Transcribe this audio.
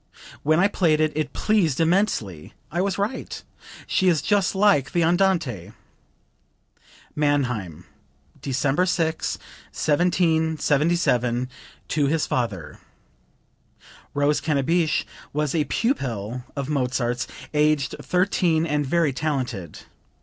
When I played it, it pleased immensely....I was right; she is just like the Andante." (Mannheim, December 6, 1777, to his father. Rose Cannabich was a pupil of Mozart's, aged thirteen and very talented.